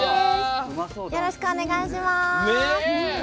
よろしくお願いします。